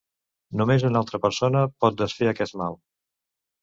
Només una altra persona pot desfer aquest mal.